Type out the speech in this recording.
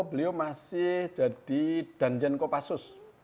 beliau masih jadi danjanko pasus